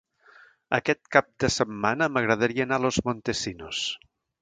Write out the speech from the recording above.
Aquest cap de setmana m'agradaria anar a Los Montesinos.